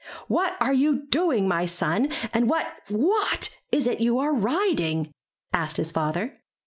'*What are you doing, my son, and what, what is it you are riding?" asked his father.